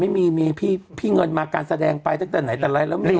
ไม่มีมีพี่เงินมาการแสดงไปตั้งแต่ไหนแต่ไรแล้วมี